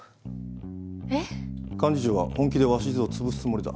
えっ？幹事長は本気で鷲津を潰すつもりだ。